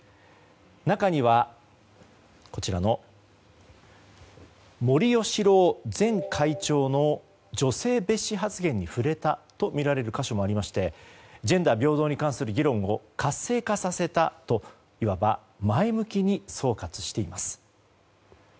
中には、森喜朗前会長の女性蔑視発言に触れたとみられる箇所もありましてジェンダー平等に関する議論を活性化させたといわば前向きに総括しています。